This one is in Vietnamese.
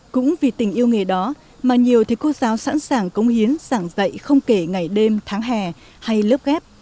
cũng vì tình yêu nghề đó mà nhiều thầy cô giáo sẵn sàng cống hiến giảng dạy không kể ngày đêm tháng hè hay lớp ghép